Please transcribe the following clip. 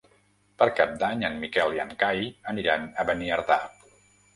Per Cap d'Any en Miquel i en Cai aniran a Beniardà.